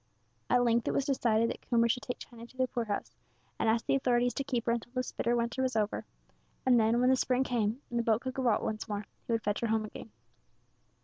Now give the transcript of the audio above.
At length it was decided that Coomber should take Tiny to the poorhouse, and ask the authorities to keep her until this bitter winter was over; and then, when the spring came, and the boat could go out once more, he would fetch her home again.